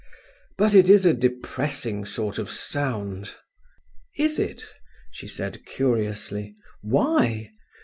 But it is a depressing sort of sound." "Is it?" she said curiously. "Why?